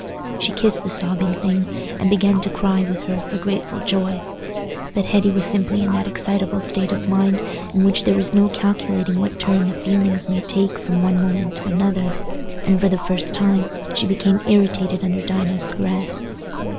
She kissed the sobbing thing, and began to cry with her for grateful joy. But Hetty was simply in that excitable state of mind in which there is no calculating what turn the feelings may take from one moment to another, and for the first time she became irritated under Dinah's caress.